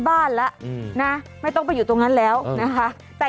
บ้านแล้วนะไม่ต้องไปอยู่ตรงนั้นแล้วนะคะแต่